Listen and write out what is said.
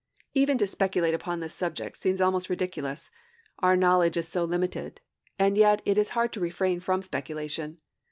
Even to speculate upon this subject seems almost ridiculous, our knowledge is so limited; and yet it is hard to refrain from speculation.